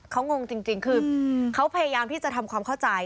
เขางงจริงคือเขาพยายามที่จะทำความเข้าใจ